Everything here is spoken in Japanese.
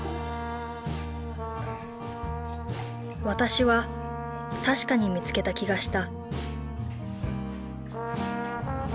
私は確かに見つけた気がした。